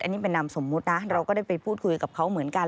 อันนี้เป็นนามสมมุตินะเราก็ได้ไปพูดคุยกับเขาเหมือนกัน